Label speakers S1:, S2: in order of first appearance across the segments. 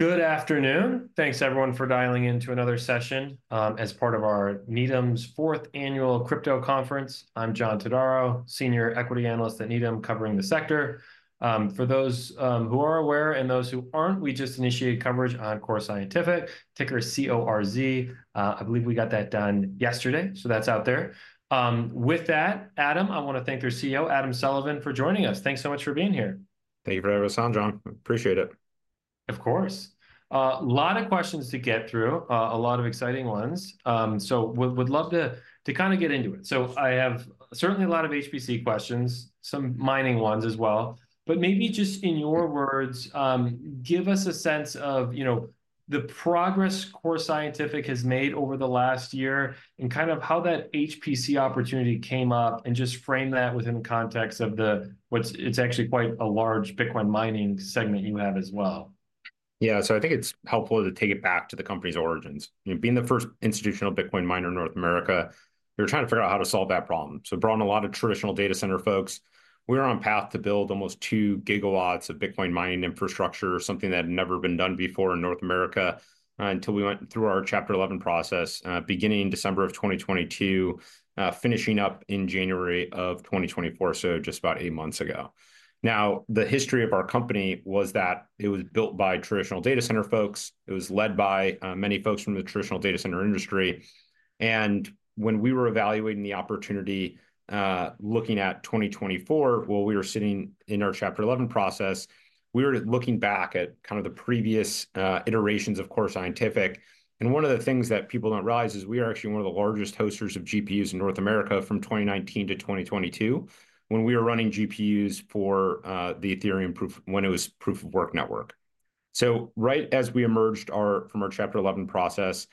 S1: Good afternoon. Thanks, everyone, for dialing in to another session as part of our Needham's 4th annual crypto conference. I'm John Todaro, Senior Equity Analyst at Needham, covering the sector. For those who are aware and those who aren't, we just initiated coverage on Core Scientific, ticker CORZ. I believe we got that done yesterday, so that's out there. With that, Adam, I wanna thank their CEO, Adam Sullivan, for joining us. Thanks so much for being here.
S2: Thank you for having us on, John. Appreciate it.
S1: Of course. A lot of questions to get through, a lot of exciting ones. So would love to kind of get into it. So I have certainly a lot of HPC questions, some mining ones as well, but maybe just in your words, give us a sense of, you know, the progress Core Scientific has made over the last year, and kind of how that HPC opportunity came up, and just frame that within context of the what's. It's actually quite a large Bitcoin mining segment you have as well.
S2: Yeah, so I think it's helpful to take it back to the company's origins. You know, being the first institutional Bitcoin miner in North America, we were trying to figure out how to solve that problem. So brought in a lot of traditional data center folks. We were on path to build almost two gigawatts of Bitcoin mining infrastructure, something that had never been done before in North America, until we went through our Chapter 11 process, beginning December of 2022, finishing up in January of 2024, so just about eight months ago. Now, the history of our company was that it was built by traditional data center folks. It was led by, many folks from the traditional data center industry. And when we were evaluating the opportunity, looking at 2024, while we were sitting in our Chapter 11 process, we were looking back at kind of the previous iterations of Core Scientific, and one of the things that people don't realize is we are actually one of the largest hosters of GPUs in North America from 2019 to 2022, when we were running GPUs for the Ethereum proof, when it was proof of work network. So right as we emerged from our Chapter 11 process,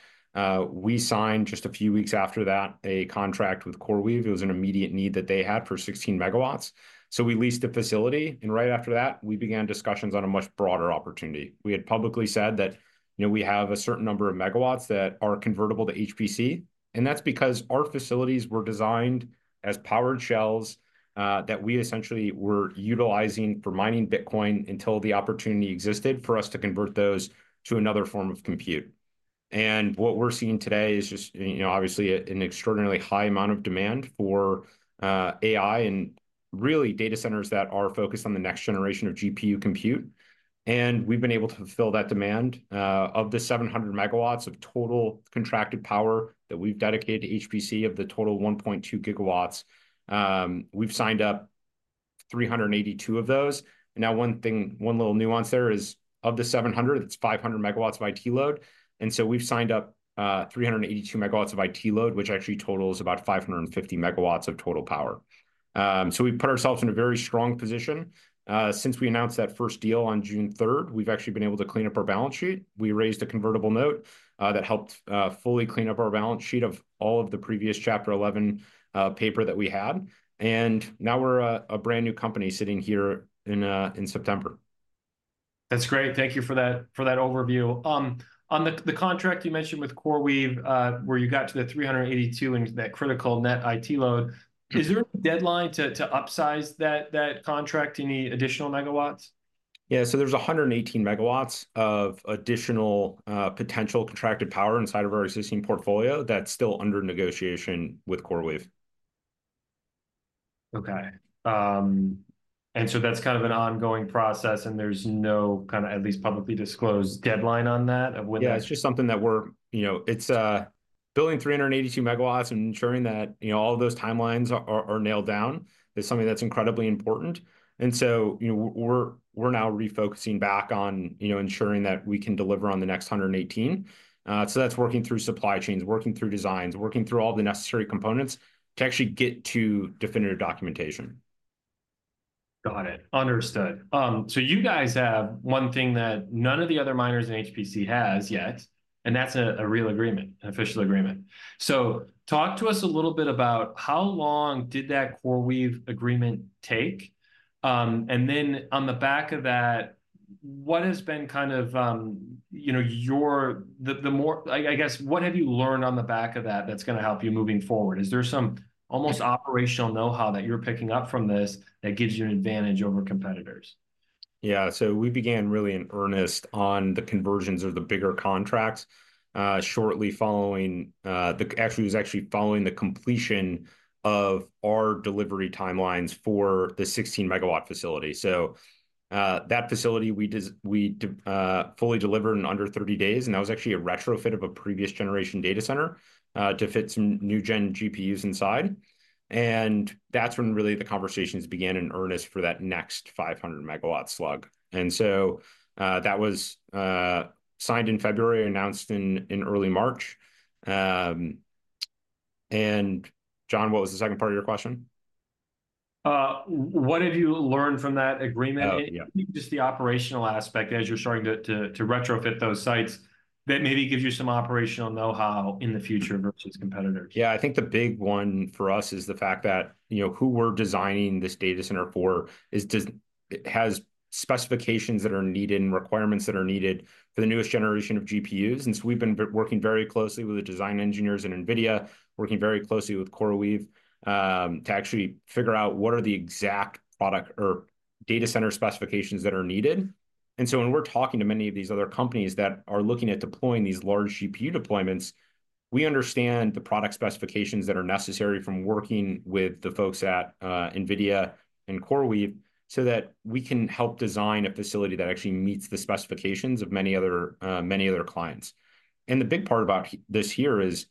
S2: we signed, just a few weeks after that, a contract with CoreWeave. It was an immediate need that they had for 16 MW. So we leased a facility, and right after that, we began discussions on a much broader opportunity. We had publicly said that, you know, we have a certain number of megawatts that are convertible to HPC, and that's because our facilities were designed as powered shells, that we essentially were utilizing for mining Bitcoin until the opportunity existed for us to convert those to another form of compute, and what we're seeing today is just, you know, obviously an extraordinarily high amount of demand for, AI and really data centers that are focused on the next generation of GPU compute, and we've been able to fulfill that demand. Of the 700 MW of total contracted power that we've dedicated to HPC, of the total 1.2 gigawatts, we've signed up 382 of those. Now, one thing, one little nuance there is, of the 700, it's five 500 MW of IT load, and so we've signed up 382 MW of IT load, which actually totals about 550 MW of total power. So we've put ourselves in a very strong position. Since we announced that first deal on June 3rd, we've actually been able to clean up our balance sheet. We raised a convertible note that helped fully clean up our balance sheet of all of the previous Chapter 11 paper that we had. And now we're a brand-new company sitting here in September.
S1: That's great. Thank you for that, for that overview. On the contract you mentioned with CoreWeave, where you got to the 382 and that critical net IT load-
S2: Mm.
S1: Is there a deadline to upsize that contract to any additional megawatts?
S2: Yeah, so there's 118 MW of additional potential contracted power inside of our existing portfolio that's still under negotiation with CoreWeave.
S1: Okay. And so that's kind of an ongoing process, and there's no kind of, at least publicly disclosed, deadline on that, of when that-
S2: Yeah, it's just something that we're. You know, it's building 382 MW and ensuring that, you know, all of those timelines are nailed down, is something that's incredibly important. And so, you know, we're now refocusing back on, you know, ensuring that we can deliver on the next 118. So that's working through supply chains, working through designs, working through all the necessary components to actually get to definitive documentation.
S1: Got it. Understood. So you guys have one thing that none of the other miners in HPC has yet, and that's a real agreement, an official agreement. So talk to us a little bit about how long did that CoreWeave agreement take? And then on the back of that, what has been kind of, you know, your... I guess, what have you learned on the back of that that's gonna help you moving forward? Is there some almost operational know-how that you're picking up from this that gives you an advantage over competitors?
S2: Yeah, so we began really in earnest on the conversions of the bigger contracts, shortly following, actually, it was actually following the completion of our delivery timelines for the 16 MW facility. So, that facility, we fully delivered in under 30 days, and that was actually a retrofit of a previous generation data center, to fit some new gen GPUs inside. And that's when really the conversations began in earnest for that next 500 MW slug. And so, that was signed in February, announced in early March. And John, what was the second part of your question?
S1: What have you learned from that agreement?
S2: Oh, yeah.
S1: Just the operational aspect as you're starting to retrofit those sites, that maybe gives you some operational know-how in the future versus competitors.
S2: Yeah, I think the big one for us is the fact that, you know, who we're designing this data center for is just it has specifications that are needed and requirements that are needed for the newest generation of GPUs. And so we've been working very closely with the design engineers in NVIDIA, working very closely with CoreWeave, to actually figure out what are the exact product or data center specifications that are needed. And so when we're talking to many of these other companies that are looking at deploying these large GPU deployments. We understand the product specifications that are necessary from working with the folks at NVIDIA and CoreWeave, so that we can help design a facility that actually meets the specifications of many other clients. And the big part about this here is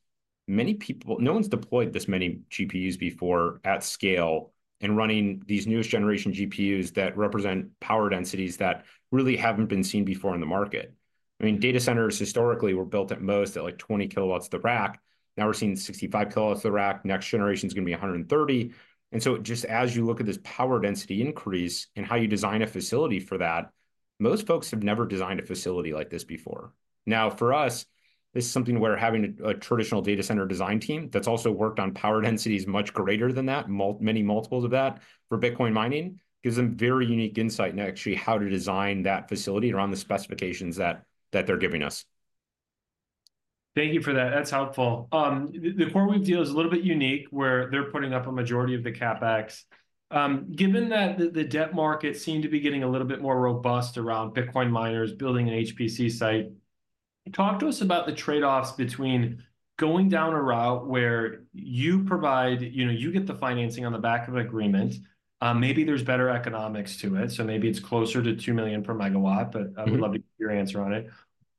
S2: many people no one's deployed this many GPUs before at scale, and running these newest generation GPUs that represent power densities that really haven't been seen before in the market. I mean, data centers historically were built at most at, like, 20 kW the rack. Now we're seeing 65 kW the rack. Next generation's gonna be 130. And so just as you look at this power density increase and how you design a facility for that, most folks have never designed a facility like this before. Now, for us, this is something where having a traditional data center design team that's also worked on power densities much greater than that, many multiples of that, for Bitcoin mining, gives them very unique insight into actually how to design that facility around the specifications that they're giving us.
S1: Thank you for that. That's helpful. The CoreWeave deal is a little bit unique, where they're putting up a majority of the CapEx. Given that the debt market seemed to be getting a little bit more robust around Bitcoin miners building an HPC site, talk to us about the trade-offs between going down a route where you provide, you know, you get the financing on the back of an agreement. Maybe there's better economics to it, so maybe it's closer to $2 million per megawatt-
S2: Mm-hmm.
S1: But I would love to get your answer on it,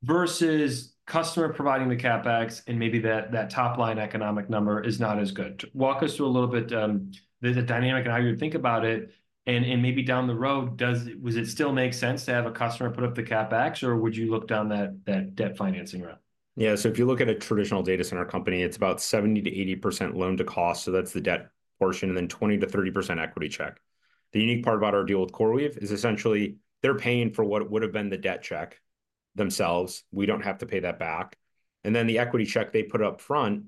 S1: versus customer providing the CapEx, and maybe that top line economic number is not as good. Walk us through a little bit, the dynamic and how you would think about it, and maybe down the road, does it still make sense to have a customer put up the CapEx, or would you look down that debt financing route?
S2: Yeah, so if you look at a traditional data center company, it's about 70%-80% loan-to-cost, so that's the debt portion, and then 20%-30% equity check. The unique part about our deal with CoreWeave is essentially they're paying for what would've been the debt check themselves. We don't have to pay that back. And then the equity check they put up front,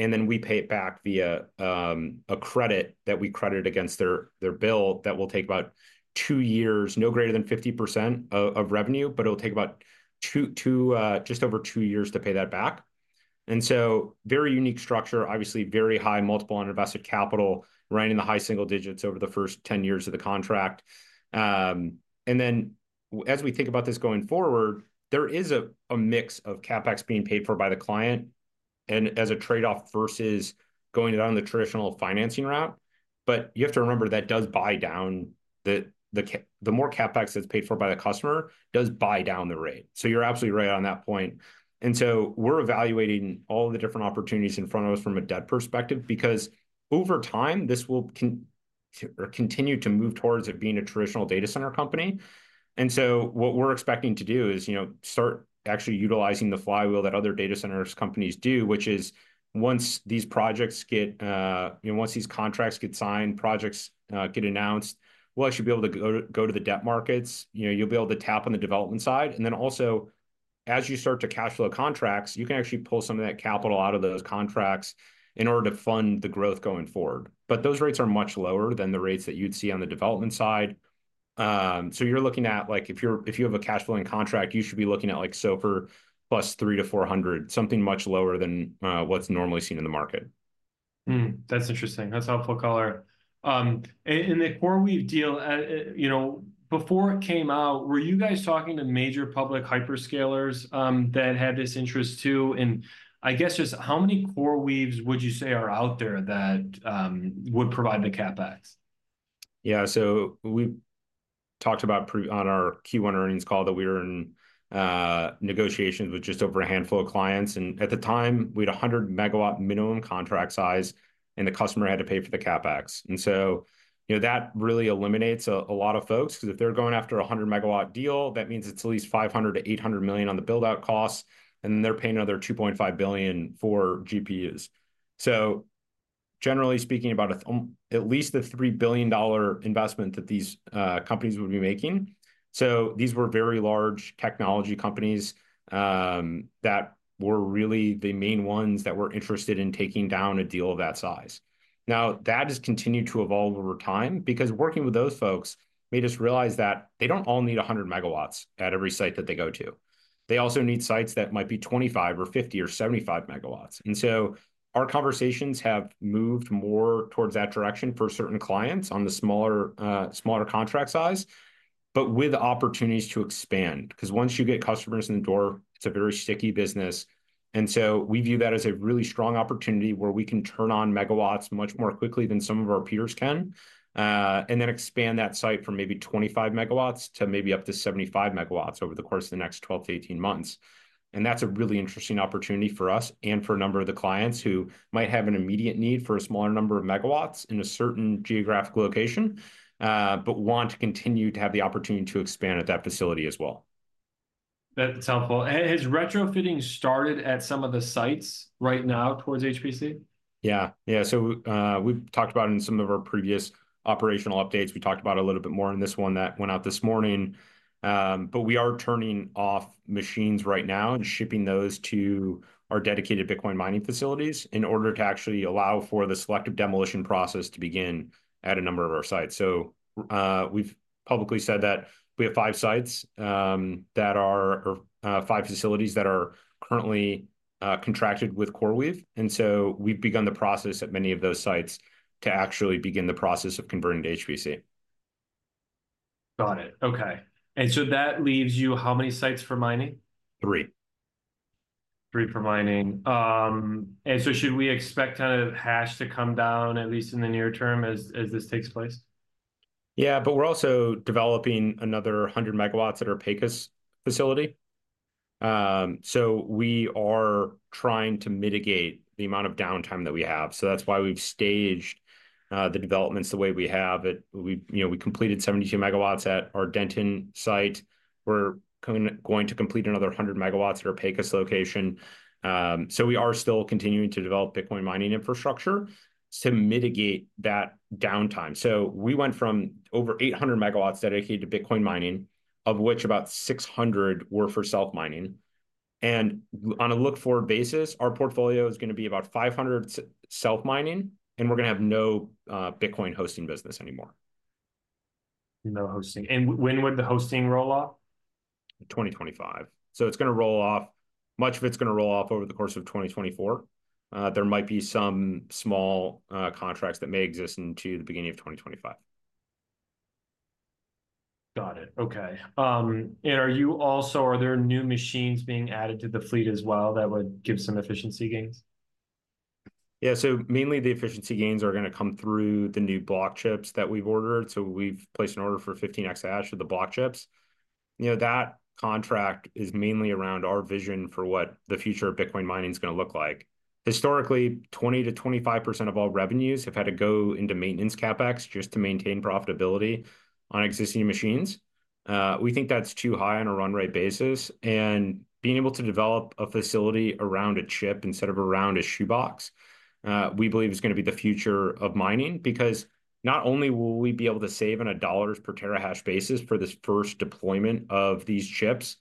S2: and then we pay it back via a credit that we credit against their bill that will take about two years, no greater than 50% of revenue, but it'll take about two, just over two years to pay that back. And so very unique structure, obviously very high multiple on invested capital, right in the high single digits over the first 10 years of the contract. And then as we think about this going forward, there is a mix of CapEx being paid for by the client, and as a trade-off versus going down the traditional financing route. But you have to remember, that does buy down the rate. The more CapEx that's paid for by the customer does buy down the rate. So you're absolutely right on that point. And so we're evaluating all the different opportunities in front of us from a debt perspective, because over time, this will continue to move towards it being a traditional data center company. What we're expecting to do is, you know, start actually utilizing the flywheel that other data centers companies do, which is, once these contracts get signed, projects get announced, we'll actually be able to go to the debt markets. You know, you'll be able to tap on the development side. And then also, as you start to cash flow contracts, you can actually pull some of that capital out of those contracts in order to fund the growth going forward. But those rates are much lower than the rates that you'd see on the development side. So you're looking at, like, if you're, if you have a cash flowing contract, you should be looking at, like, SOFR +300-400, something much lower than what's normally seen in the market.
S1: That's interesting. That's helpful color. And the CoreWeave deal, you know, before it came out, were you guys talking to major public hyperscalers that had this interest, too? And I guess just how many CoreWeaves would you say are out there that would provide the CapEx?
S2: Yeah, so we talked about previously on our Q1 earnings call that we were in negotiations with just over a handful of clients, and at the time, we had a 100 MW minimum contract size, and the customer had to pay for the CapEx. And so, you know, that really eliminates a lot of folks, 'cause if they're going after a 100 MW deal, that means it's at least $500 million-$800 million on the build-out costs, and then they're paying another $2.5 billion for GPUs. So generally speaking, about three, at least a $3 billion investment that these companies would be making. So these were very large technology companies that were really the main ones that were interested in taking down a deal of that size. Now, that has continued to evolve over time, because working with those folks made us realize that they don't all need 100 MW at every site that they go to. They also need sites that might be 25 MW or 50MW or 75 MW. And so our conversations have moved more towards that direction for certain clients on the smaller contract size, but with opportunities to expand, 'cause once you get customers in the door, it's a very sticky business. And so we view that as a really strong opportunity, where we can turn on Megawatts much more quickly than some of our peers can, and then expand that site from maybe 25 MW to maybe up to 75 MW over the course of the next 12 to 18 months. And that's a really interesting opportunity for us and for a number of the clients who might have an immediate need for a smaller number of megawatts in a certain geographic location, but want to continue to have the opportunity to expand at that facility as well.
S1: That's helpful. And has retrofitting started at some of the sites right now towards HPC?
S2: Yeah. Yeah, so we've talked about in some of our previous operational updates, we talked about it a little bit more in this one that went out this morning. But we are turning off machines right now and shipping those to our dedicated Bitcoin mining facilities in order to actually allow for the selective demolition process to begin at a number of our sites. So, we've publicly said that we have five sites that are or five facilities that are currently contracted with CoreWeave, and so we've begun the process at many of those sites to actually begin the process of converting to HPC.
S1: .Got it. Okay. And so that leaves you how many sites for mining?
S2: Three.
S1: Three for mining. And so should we expect kind of hash to come down, at least in the near term, as this takes place?
S2: Yeah, but we're also developing another 100 MW at our Pecos facility. So we are trying to mitigate the amount of downtime that we have, so that's why we've staged the developments the way we have. But we, you know, we completed 72 MW at our Denton site. We're going to complete another 100 MW at our Pecos location. So we are still continuing to develop Bitcoin mining infrastructure to mitigate that downtime. So we went from over 800 MW dedicated to Bitcoin mining, of which about 600 were for self mining. And on a look-forward basis, our portfolio is gonna be about 500 self mining, and we're gonna have no Bitcoin hosting business anymore.
S1: No hosting. And when would the hosting roll off?
S2: 2025. So it's gonna roll off, much of it's gonna roll off over the course of 2024. There might be some small contracts that may exist into the beginning of 2025.
S1: Got it. Okay. Are there new machines being added to the fleet as well that would give some efficiency gains?
S2: Yeah, so mainly the efficiency gains are gonna come through the new Block chips that we've ordered. So we've placed an order for 15 exahash of the Block chips. You know, that contract is mainly around our vision for what the future of Bitcoin mining's gonna look like. Historically, 20%-25% of all revenues have had to go into maintenance CapEx just to maintain profitability on existing machines. We think that's too high on a run rate basis, and being able to develop a facility around a chip instead of around a shoebox, we believe is gonna be the future of mining. Because not only will we be able to save on a dollar per terahash basis for this first deployment of these chips,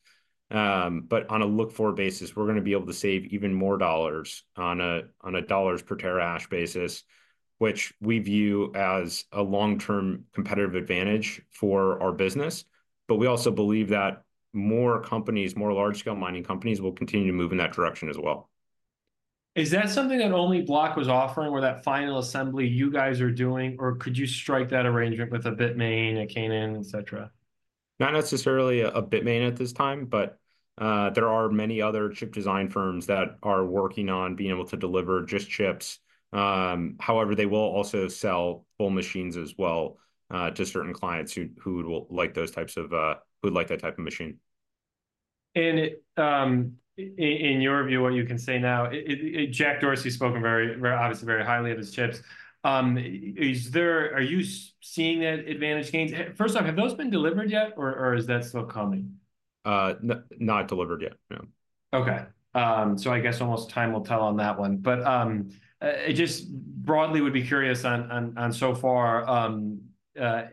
S2: but on a look-forward basis, we're gonna be able to save even more dollars on a dollar per terahash basis, which we view as a long-term competitive advantage for our business. But we also believe that more companies, more large-scale mining companies, will continue to move in that direction as well.
S1: Is that something that only Block was offering, where that final assembly you guys are doing, or could you strike that arrangement with a Bitmain, a Canaan, et cetera?
S2: Not necessarily a Bitmain at this time, but there are many other chip design firms that are working on being able to deliver just chips. However, they will also sell full machines as well to certain clients who'd like that type of machine.
S1: In your view, what you can say now, Jack Dorsey's spoken very highly of his chips. Are you seeing that advantage gains? First off, have those been delivered yet, or is that still coming?
S2: Not delivered yet, no.
S1: Okay, so I guess almost time will tell on that one, but I just broadly would be curious on so far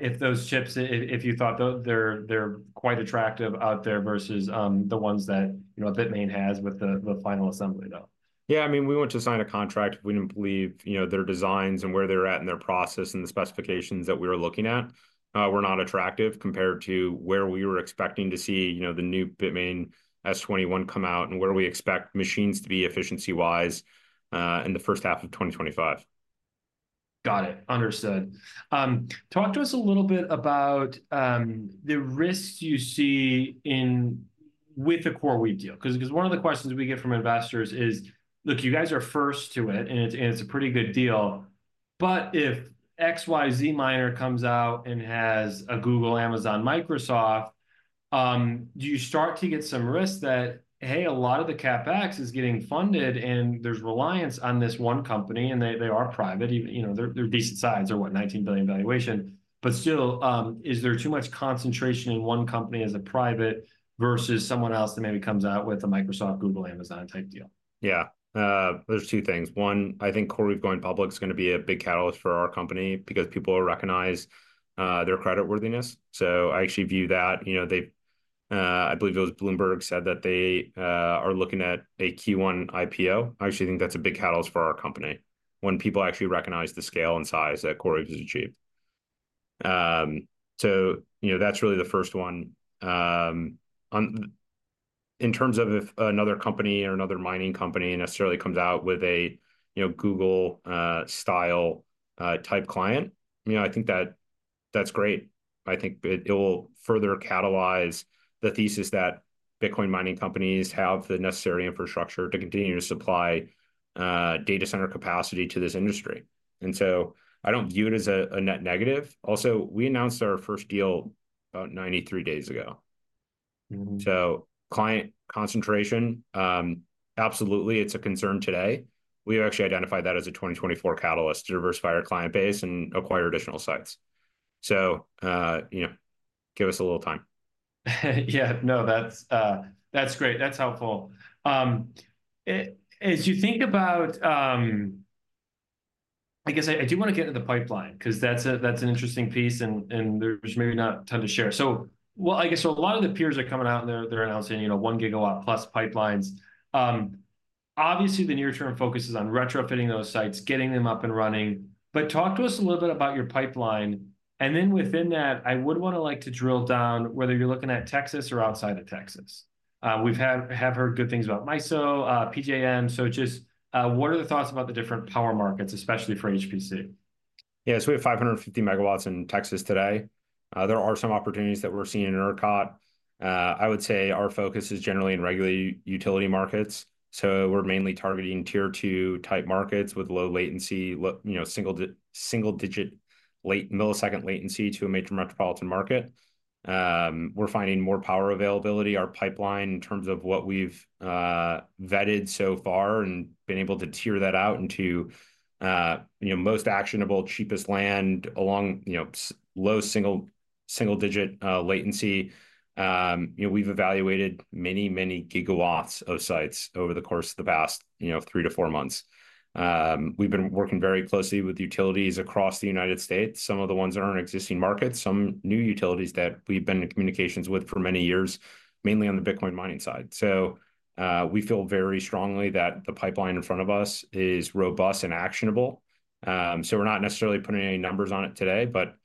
S1: if those chips if you thought they're quite attractive out there versus the ones that, you know, Bitmain has with the final assembly, though.
S2: Yeah, I mean, we wouldn't have signed a contract if we didn't believe, you know, their designs and where they're at in their process and the specifications that we were looking at were not attractive compared to where we were expecting to see, you know, the new Bitmain S21 come out, and where we expect machines to be efficiency-wise in the first half of 2025.
S1: Got it. Understood. Talk to us a little bit about the risks you see with the CoreWeave deal. 'Cause one of the questions we get from investors is, "Look, you guys are first to it, and it's a pretty good deal, but if X, Y, Z miner comes out and has a Google, Amazon, Microsoft, do you start to get some risks that, hey, a lot of the CapEx is getting funded, and there's reliance on this one company, and they are private," even, you know, they're decent size. They're what, $19 billion valuation. But still, is there too much concentration in one company as a private versus someone else that maybe comes out with a Microsoft, Google, Amazon-type deal?
S2: Yeah. There's two things. One, I think CoreWeave going public is gonna be a big catalyst for our company because people will recognize their creditworthiness. So I actually view that. You know, they, I believe it was Bloomberg said that they are looking at a Q1 IPO. I actually think that's a big catalyst for our company, when people actually recognize the scale and size that CoreWeave has achieved. So, you know, that's really the first one. In terms of if another company or another mining company necessarily comes out with a, you know, Google style type client, you know, I think that that's great. I think it will further catalyze the thesis that Bitcoin mining companies have the necessary infrastructure to continue to supply data center capacity to this industry, and so I don't view it as a net negative. Also, we announced our first deal about 93 days ago.
S1: Mm.
S2: Client concentration, absolutely it's a concern today. We've actually identified that as a twenty twenty-four catalyst to diversify our client base and acquire additional sites. You know, give us a little time.
S1: Yeah, no, that's great. That's helpful. As you think about, I guess I do wanna get into the pipeline, 'cause that's an interesting piece, and there's maybe not time to share. So, well, I guess, a lot of the peers are coming out, and they're announcing, you know, one gigawatt-plus pipelines. Obviously the near-term focus is on retrofitting those sites, getting them up and running. But talk to us a little bit about your pipeline, and then within that, I would wanna, like, to drill down whether you're looking at Texas or outside of Texas. We've heard good things about MISO, PJM, so just, what are the thoughts about the different power markets, especially for HPC?
S2: Yeah, so we have 550 MW in Texas today. There are some opportunities that we're seeing in ERCOT. I would say our focus is generally in regulated utility markets, so we're mainly targeting tier two-type markets with low latency, low, you know, single-digit millisecond latency to a major metropolitan market. We're finding more power availability. Our pipeline, in terms of what we've vetted so far and been able to tier that out into, you know, most actionable, cheapest land along, you know, low single, single-digit latency. You know, we've evaluated many, many gigawatts of sites over the course of the past, you know, three to four months. We've been working very closely with utilities across the United States, some of the ones that are in existing markets, some new utilities that we've been in communications with for many years, mainly on the Bitcoin mining side. So, we feel very strongly that the pipeline in front of us is robust and actionable. So we're not necessarily putting any numbers on it today, but,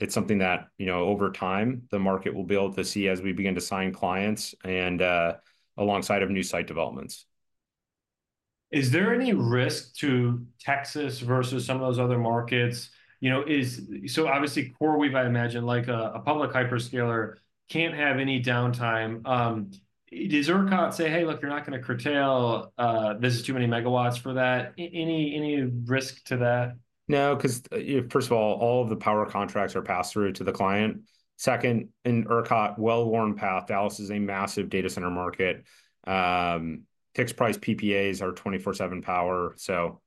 S2: it's something that, you know, over time, the market will be able to see as we begin to sign clients and, alongside of new site developments.
S1: Is there any risk to Texas versus some of those other markets? You know, is... So obviously, CoreWeave, I imagine, like a public hyperscaler, can't have any downtime. Does ERCOT say, "Hey, look, you're not gonna curtail, this is too many megawatts for that"? Any risk to that?
S2: No, 'cause, first of all, all of the power contracts are passed through to the client. Second, in ERCOT, well-worn path, Dallas is a massive data center market. Fixed-price PPAs are 24/7 power, so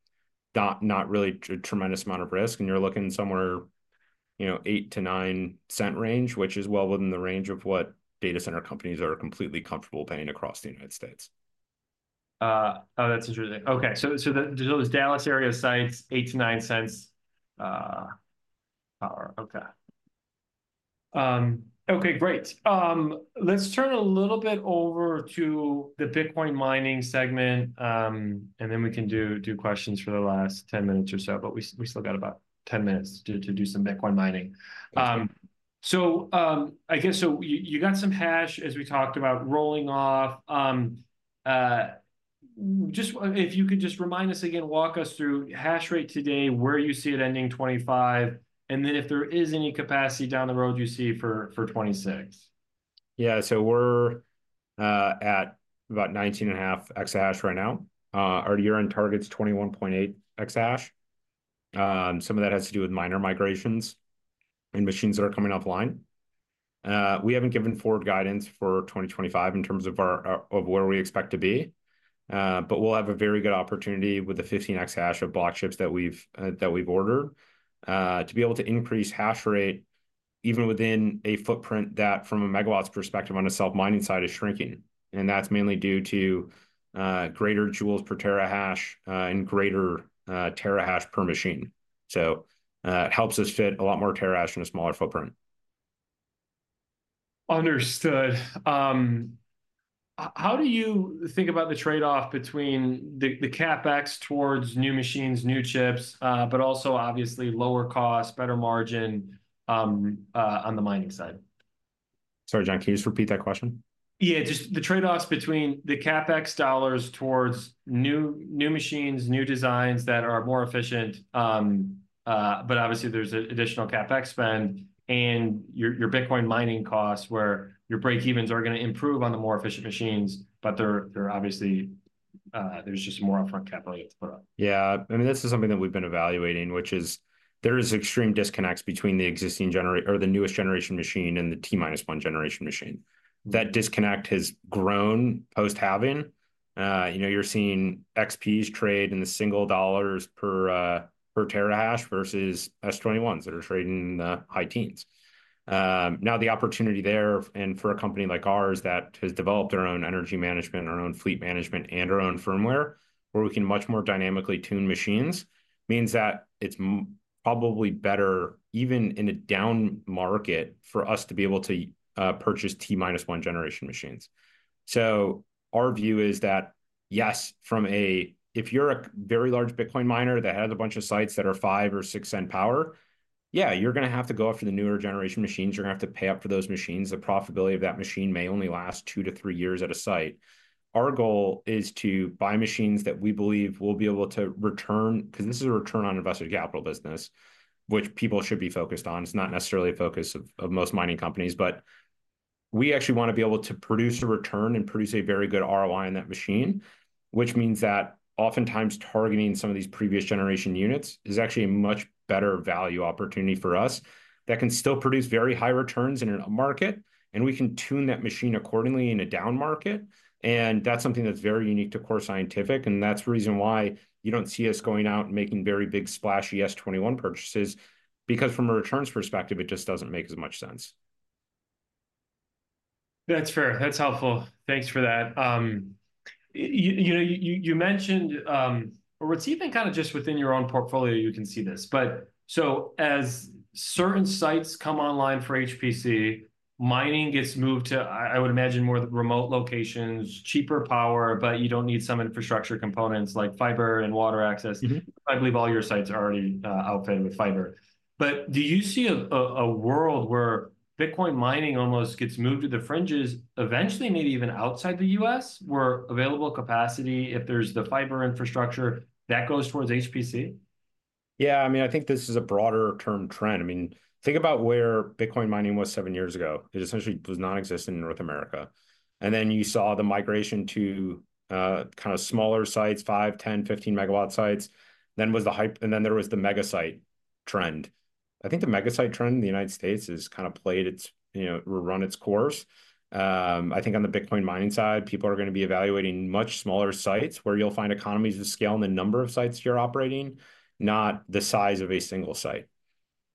S2: not really a tremendous amount of risk, and you're looking somewhere, you know, $0.08-$0.09 range, which is well within the range of what data center companies are completely comfortable paying across the United States.
S1: Oh, that's interesting. Okay, so those Dallas area sites, $0.08-$0.09 power. Okay. Okay, great. Let's turn a little bit over to the Bitcoin mining segment, and then we can do questions for the last 10 minutes or so, but we still got about 10 minutes to do some Bitcoin mining. I guess, so you got some hash, as we talked about, rolling off. If you could just remind us again, walk us through hash rate today, where you see it ending 2025, and then if there is any capacity down the road you see for 2026.
S2: Yeah, so we're at about 19 and a half exahash right now. Our year-end target's 21.8 exahash. Some of that has to do with miner migrations and machines that are coming offline. We haven't given forward guidance for 2025 in terms of where we expect to be, but we'll have a very good opportunity with the 15 exahash of Block chips that we've ordered to be able to increase hash rate even within a footprint that, from a Megawatts perspective on the self-mining side, is shrinking, and that's mainly due to greater joules per terahash and greater terahash per machine. It helps us fit a lot more terahash in a smaller footprint.
S1: Understood. How do you think about the trade-off between the, the CapEx towards new machines, new chips, but also obviously lower cost, better margin, on the mining side?
S2: Sorry, John, can you just repeat that question?
S1: Yeah, just the trade-offs between the CapEx dollars towards new machines, new designs that are more efficient, but obviously there's an additional CapEx spend, and your Bitcoin mining costs, where your break-evens are gonna improve on the more efficient machines, but there are obviously there's just more upfront capital you have to put up.
S2: Yeah, I mean, this is something that we've been evaluating, which is there is extreme disconnects between the existing or the newest-generation machine and the T-minus-one generation machine. That disconnect has grown post-halving. You know, you're seeing XPs trade in the single dollars per terahash versus S21s that are trading in the high teens. Now the opportunity there, and for a company like ours that has developed our own energy management, our own fleet management, and our own firmware, where we can much more dynamically tune machines, means that it's probably better, even in a down market, for us to be able to purchase T-minus-one generation machines. So our view is that, yes, from a, if you're a very large Bitcoin miner that has a bunch of sites that are five- or six-cent power, yeah, you're gonna have to go after the newer generation machines. You're gonna have to pay up for those machines. The profitability of that machine may only last two to three years at a site. Our goal is to buy machines that we believe will be able to return... 'Cause this is a return on invested capital business, which people should be focused on. It's not necessarily a focus of most mining companies. But we actually wanna be able to produce a return and produce a very good ROI on that machine, which means that oftentimes targeting some of these previous-generation units is actually a much better value opportunity for us that can still produce very high returns in an up market, and we can tune that machine accordingly in a down market, and that's something that's very unique to Core Scientific, and that's the reason why you don't see us going out and making very big, splashy S21 purchases, because from a returns perspective, it just doesn't make as much sense.
S1: That's fair. That's helpful. Thanks for that. You know, you mentioned, or it's even kind of just within your own portfolio you can see this, but so as certain sites come online for HPC, mining gets moved to, I would imagine, more remote locations, cheaper power, but you don't need some infrastructure components, like fiber and water access.
S2: Mm-hmm.
S1: I believe all your sites are already outfitted with fiber. But do you see a world where Bitcoin mining almost gets moved to the fringes, eventually maybe even outside the U.S., where available capacity, if there's the fiber infrastructure, that goes towards HPC?...
S2: Yeah, I mean, I think this is a broader term trend. I mean, think about where Bitcoin mining was seven years ago. It essentially does not exist in North America, and then you saw the migration to kind of smaller sites, five, 10 MW, 15 MW sites. Then was the hype, and then there was the mega site trend. I think the mega site trend in the United States has kind of played its, you know, run its course. I think on the Bitcoin mining side, people are gonna be evaluating much smaller sites, where you'll find economies of scale in the number of sites you're operating, not the size of a single site.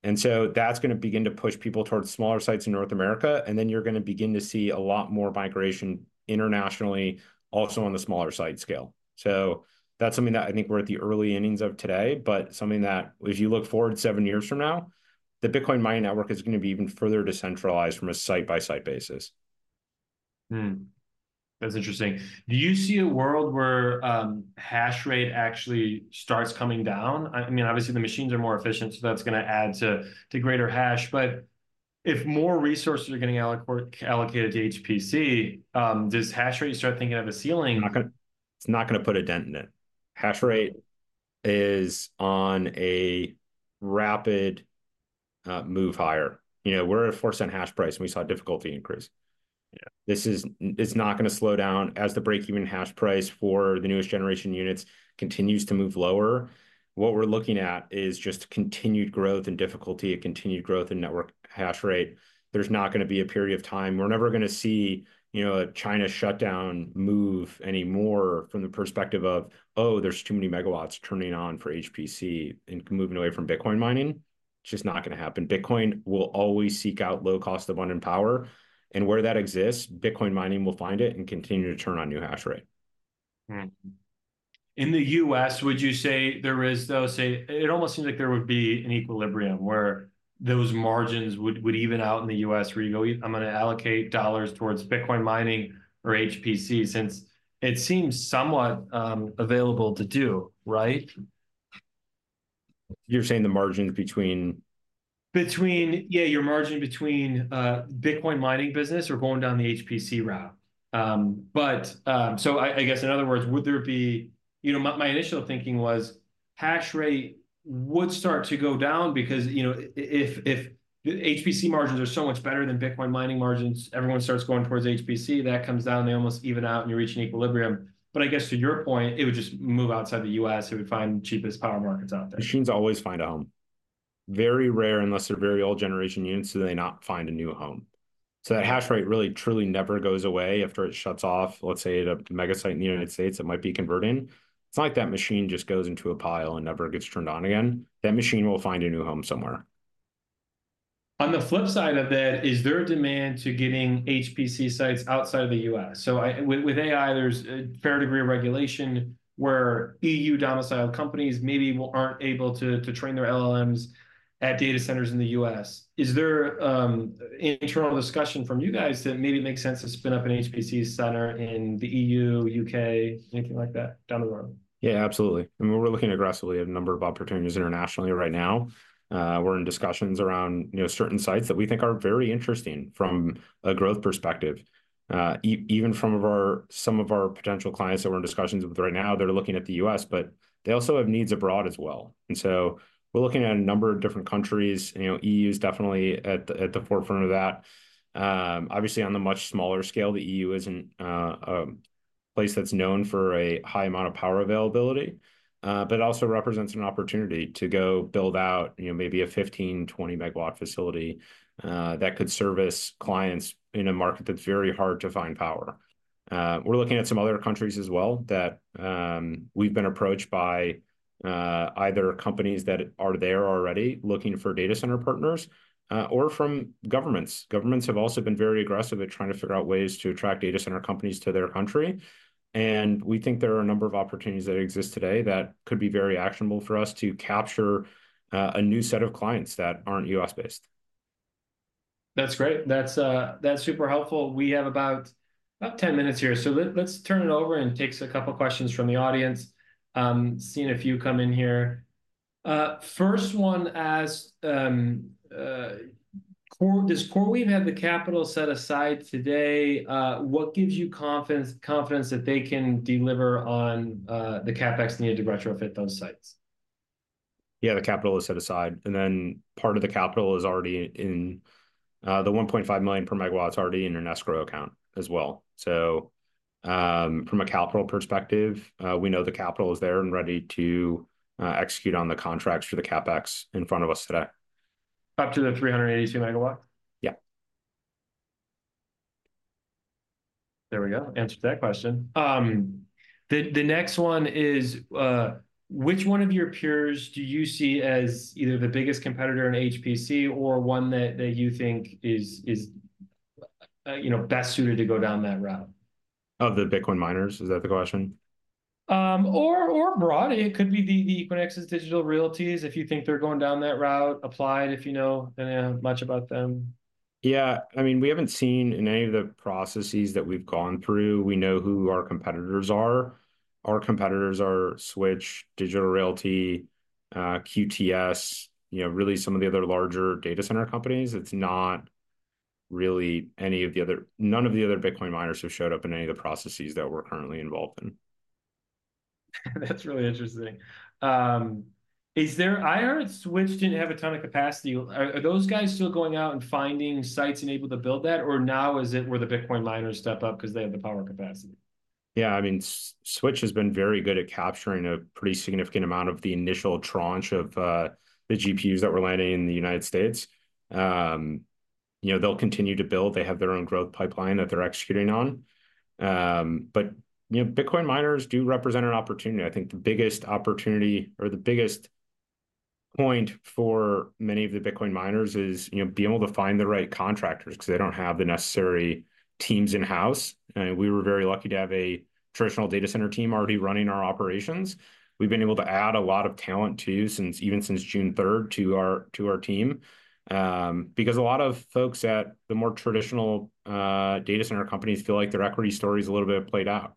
S2: And so that's gonna begin to push people towards smaller sites in North America, and then you're gonna begin to see a lot more migration internationally also on the smaller site scale. So that's something that I think we're at the early innings of today, but something that if you look forward seven years from now, the Bitcoin mining network is gonna be even further decentralized from a site-by-site basis.
S1: That's interesting. Do you see a world where hash rate actually starts coming down? I mean, obviously, the machines are more efficient, so that's gonna add to greater hash. But if more resources are getting allocated to HPC, does hash rate start thinking of a ceiling?
S2: Not gonna. It's not gonna put a dent in it. Hash rate is on a rapid move higher. You know, we're at a $0.04 hash price, and we saw difficulty increase.
S1: Yeah.
S2: It's not gonna slow down. As the break-even hash price for the newest generation units continues to move lower, what we're looking at is just continued growth and difficulty and continued growth in network hash rate. There's not gonna be a period of time... We're never gonna see, you know, a China shutdown move any more from the perspective of, "Oh, there's too many megawatts turning on for HPC and moving away from Bitcoin mining." It's just not gonna happen. Bitcoin will always seek out low cost of abundant power, and where that exists, Bitcoin mining will find it and continue to turn on new hash rate.
S1: In the U.S., would you say there is, though, say, it almost seems like there would be an equilibrium where those margins would even out in the U.S., where you go, "I'm gonna allocate dollars towards Bitcoin mining or HPC," since it seems somewhat available to do, right?
S2: You're saying the margin between-
S1: Between, yeah, your margin between Bitcoin mining business or going down the HPC route. But, so I guess, in other words, would there be... You know, my initial thinking was hash rate would start to go down because, you know, if the HPC margins are so much better than Bitcoin mining margins, everyone starts going towards HPC, that comes down, they almost even out, and you reach an equilibrium. But I guess to your point, it would just move outside the U.S., it would find the cheapest power markets out there.
S2: Machines always find a home. Very rare, unless they're very old generation units, do they not find a new home. So that hash rate really, truly never goes away after it shuts off, let's say, at a mega site in the United States, it might be converting. It's not like that machine just goes into a pile and never gets turned on again. That machine will find a new home somewhere.
S1: On the flip side of that, is there a demand to getting HPC sites outside of the U.S.? So with AI, there's a fair degree of regulation where EU-domiciled companies maybe aren't able to train their LLMs at data centers in the U.S. Is there internal discussion from you guys that maybe it makes sense to spin up an HPC center in the EU, U.K., anything like that, down the road?
S2: Yeah, absolutely. I mean, we're looking aggressively at a number of opportunities internationally right now. We're in discussions around, you know, certain sites that we think are very interesting from a growth perspective. Even from some of our potential clients that we're in discussions with right now, they're looking at the U.S., but they also have needs abroad as well. And so we're looking at a number of different countries. You know, EU is definitely at the forefront of that. Obviously, on the much smaller scale, the EU isn't a place that's known for a high amount of power availability, but it also represents an opportunity to go build out, you know, maybe a 15 MW-20 MW facility, that could service clients in a market that's very hard to find power. We're looking at some other countries as well, that we've been approached by, either companies that are there already looking for data center partners, or from governments. Governments have also been very aggressive at trying to figure out ways to attract data center companies to their country, and we think there are a number of opportunities that exist today that could be very actionable for us to capture, a new set of clients that aren't U.S.-based.
S1: That's great. That's, that's super helpful. We have about 10 minutes here. So let's turn it over and take a couple questions from the audience. Seen a few come in here. First one asks, "Core, does CoreWeave have the capital set aside today? What gives you confidence that they can deliver on the CapEx needed to retrofit those sites?
S2: Yeah, the capital is set aside, and then part of the capital is already in, the $1.5 million per megawatt's already in an escrow account as well. So, from a capital perspective, we know the capital is there and ready to, execute on the contracts for the CapEx in front of us today.
S1: Up to the 382 MW?
S2: Yeah.
S1: There we go, answered that question. The next one is, "Which one of your peers do you see as either the biggest competitor in HPC or one that you think is, you know, best suited to go down that route?
S2: Of the Bitcoin miners, is that the question?
S1: Or broader. It could be the Equinix's, Digital Realty's, if you think they're going down that route. Applied, if you know, much about them.
S2: Yeah, I mean, we haven't seen in any of the processes that we've gone through, we know who our competitors are. Our competitors are Switch, Digital Realty, QTS, you know, really some of the other larger data center companies. None of the other Bitcoin miners have showed up in any of the processes that we're currently involved in.
S1: That's really interesting. I heard Switch didn't have a ton of capacity. Are those guys still going out and finding sites and able to build that, or now is it where the Bitcoin miners step up 'cause they have the power capacity?
S2: Yeah, I mean, Switch has been very good at capturing a pretty significant amount of the initial tranche of the GPUs that were landing in the United States. You know, they'll continue to build. They have their own growth pipeline that they're executing on. But, you know, Bitcoin miners do represent an opportunity. I think the biggest opportunity or the biggest point for many of the Bitcoin miners is, you know, being able to find the right contractors, 'cause they don't have the necessary teams in-house. We were very lucky to have a traditional data center team already running our operations. We've been able to add a lot of talent, too, since even June 3rd to our team. Because a lot of folks at the more traditional data center companies feel like their equity story's a little bit played out,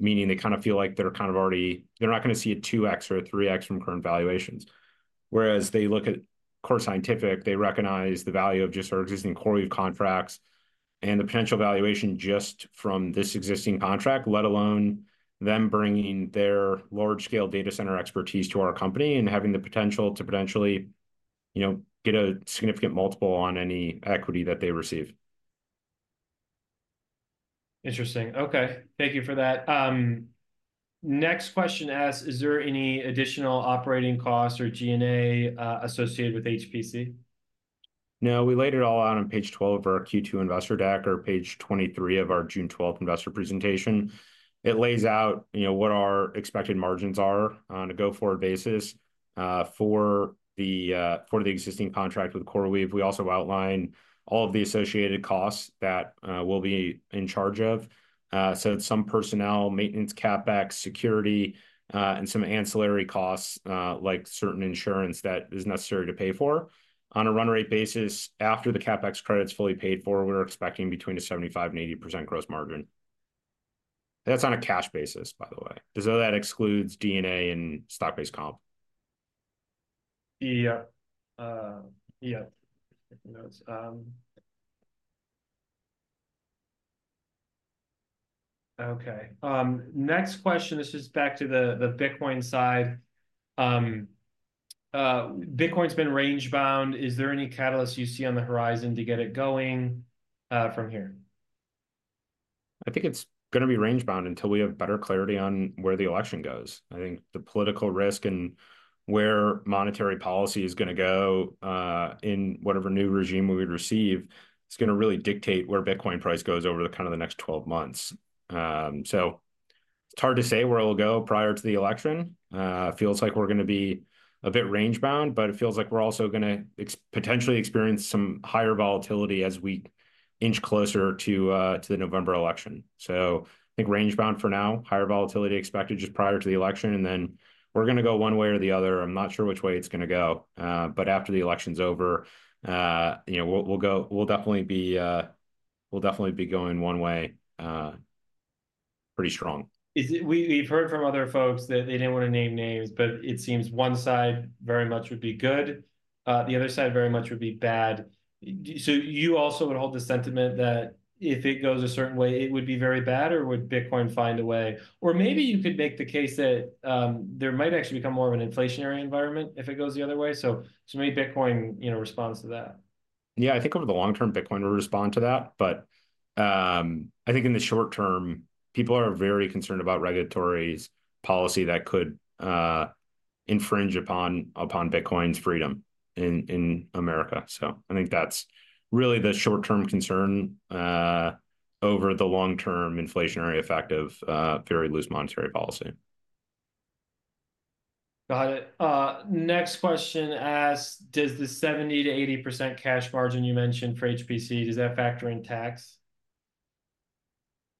S2: meaning they're not gonna see a two X or a three X from current valuations. Whereas they look at Core Scientific, they recognize the value of just our existing CoreWeave contracts and the potential valuation just from this existing contract, let alone them bringing their large-scale data center expertise to our company and having the potential to, you know, get a significant multiple on any equity that they receive.
S1: Interesting. Okay, thank you for that. Next question asks: "Is there any additional operating costs or G&A associated with HPC?
S2: No, we laid it all out on page 12 of our Q2 investor deck, or page 23 of our June 12th investor presentation. It lays out, you know, what our expected margins are on a go-forward basis, for the existing contract with CoreWeave. We also outline all of the associated costs that we'll be in charge of. So some personnel, maintenance, CapEx, security, and some ancillary costs, like certain insurance that is necessary to pay for. On a run-rate basis, after the CapEx credit's fully paid for, we're expecting between 75% and 80% gross margin. That's on a cash basis, by the way. So that excludes G&A and stock-based comp.
S1: Yeah. Yeah, notes. Okay, next question, this is back to the Bitcoin side. Bitcoin's been range-bound. Is there any catalyst you see on the horizon to get it going from here?
S2: I think it's gonna be range-bound until we have better clarity on where the election goes. I think the political risk and where monetary policy is gonna go in whatever new regime we would receive is gonna really dictate where Bitcoin price goes over the kind of the next 12 months. So it's hard to say where it'll go prior to the election. It feels like we're gonna be a bit range-bound, but it feels like we're also gonna potentially experience some higher volatility as we inch closer to the November election. So I think range-bound for now, higher volatility expected just prior to the election, and then we're gonna go one way or the other. I'm not sure which way it's gonna go, but after the election's over, you know, we'll definitely be going one way pretty strong.
S1: We, we've heard from other folks that they didn't wanna name names, but it seems one side very much would be good, the other side very much would be bad. So you also would hold the sentiment that if it goes a certain way, it would be very bad, or would Bitcoin find a way? Or maybe you could make the case that there might actually become more of an inflationary environment if it goes the other way, so, so maybe Bitcoin, you know, responds to that.
S2: Yeah, I think over the long term, Bitcoin will respond to that. But I think in the short term, people are very concerned about regulators' policy that could infringe upon Bitcoin's freedom in America. So I think that's really the short-term concern over the long-term inflationary effect of very loose monetary policy.
S1: Got it. Next question asks: "Does the 70%-80% cash margin you mentioned for HPC, does that factor in tax?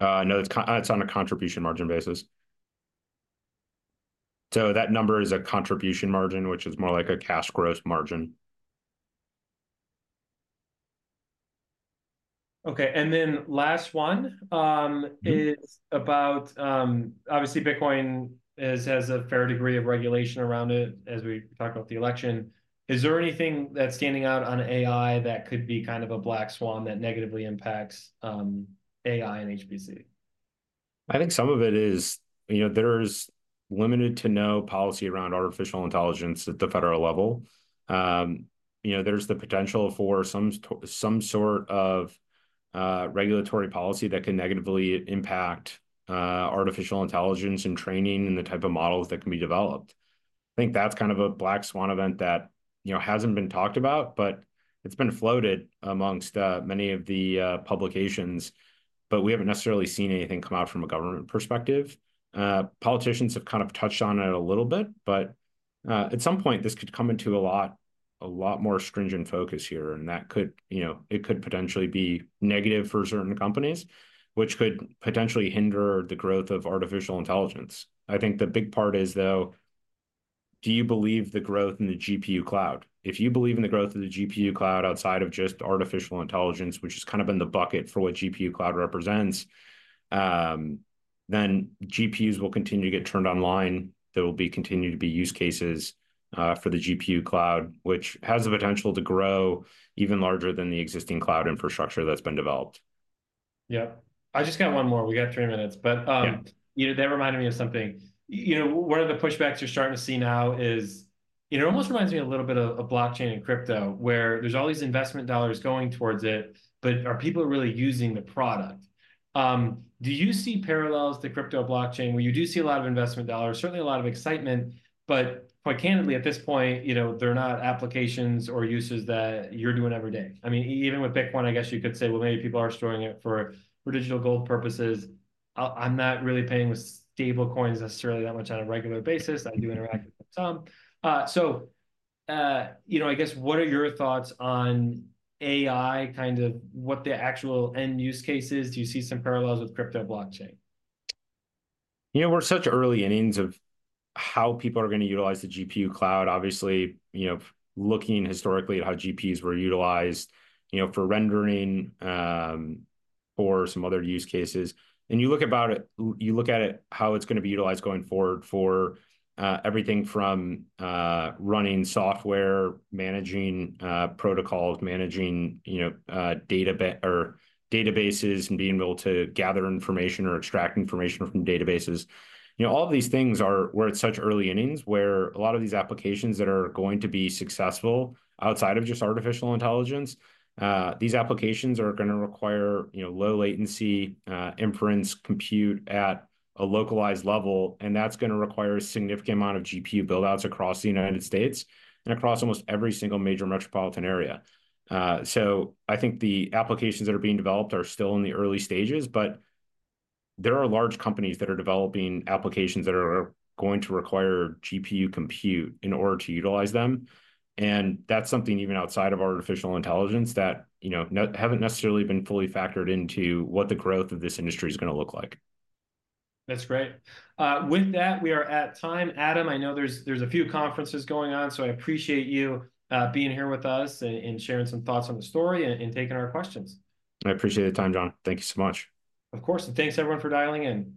S2: No, it's on a contribution margin basis. So that number is a contribution margin, which is more like a cash growth margin.
S1: Okay, and then last one, is about, obviously, Bitcoin is, has a fair degree of regulation around it, as we talked about the election. Is there anything that's standing out on AI that could be kind of a black swan that negatively impacts AI and HPC?
S2: I think some of it is, you know, there's limited to no policy around artificial intelligence at the federal level. You know, there's the potential for some sort of regulatory policy that can negatively impact artificial intelligence and training and the type of models that can be developed. I think that's kind of a black swan event that, you know, hasn't been talked about, but it's been floated amongst many of the publications, but we haven't necessarily seen anything come out from a government perspective. Politicians have kind of touched on it a little bit, but at some point, this could come into a lot, a lot more stringent focus here, and that could, you know, it could potentially be negative for certain companies, which could potentially hinder the growth of artificial intelligence. I think the big part is, though, do you believe the growth in the GPU cloud? If you believe in the growth of the GPU cloud outside of just artificial intelligence, which is kind of in the bucket for what GPU cloud represents, then GPUs will continue to get turned online. There will continue to be use cases for the GPU cloud, which has the potential to grow even larger than the existing cloud infrastructure that's been developed.
S1: Yep. I just got one more. We got three minutes, but.
S2: Yeah.
S1: You know, that reminded me of something. You know, one of the pushbacks you're starting to see now is, it almost reminds me a little bit of blockchain and crypto, where there's all these investment dollars going towards it, but are people really using the product? Do you see parallels to crypto blockchain, where you do see a lot of investment dollars, certainly a lot of excitement, but quite candidly, at this point, you know, they're not applications or uses that you're doing every day. I mean, even with Bitcoin, I guess you could say, well, maybe people are storing it for digital gold purposes. I'm not really paying with stablecoins necessarily that much on a regular basis.
S2: Mm.
S1: I do interact with them some. So, you know, I guess, what are your thoughts on AI, kind of what the actual end use case is? Do you see some parallels with crypto blockchain?
S2: You know, we're such early innings of how people are gonna utilize the GPU cloud. Obviously, you know, looking historically at how GPUs were utilized, you know, for rendering, or some other use cases, and you look at it, how it's gonna be utilized going forward for everything from running software, managing protocols, managing, you know, databases, and being able to gather information or extract information from databases. You know, all of these things are... we're at such early innings, where a lot of these applications that are going to be successful outside of just artificial intelligence, these applications are gonna require, you know, low latency inference, compute at a localized level, and that's gonna require a significant amount of GPU build-outs across the United States and across almost every single major metropolitan area. So I think the applications that are being developed are still in the early stages, but there are large companies that are developing applications that are going to require GPU compute in order to utilize them, and that's something even outside of artificial intelligence that, you know, haven't necessarily been fully factored into what the growth of this industry is gonna look like.
S1: That's great. With that, we are at time. Adam, I know there's a few conferences going on, so I appreciate you being here with us and sharing some thoughts on the story and taking our questions.
S2: I appreciate the time, John. Thank you so much.
S1: Of course, and thanks, everyone, for dialing in.